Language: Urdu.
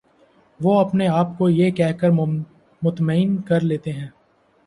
وہ اپنے آپ کو یہ کہہ کر مطمئن کر لیتے ہیں